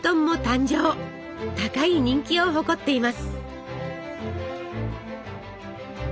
高い人気を誇っています。